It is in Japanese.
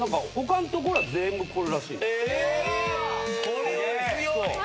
これは強い！